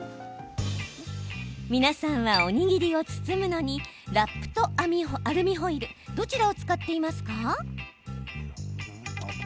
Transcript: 皆さんは、おにぎりを包むのにラップとアルミホイルどちらを使っていますか？